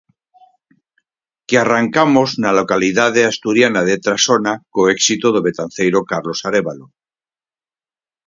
Que arrancamos na localidade asturiana de Trasona co éxito do betanceiro Carlos Arévalo.